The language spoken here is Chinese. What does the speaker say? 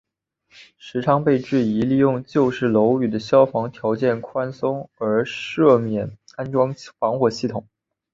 时昌被质疑利用旧式楼宇的消防条例宽松而豁免安装防火系统。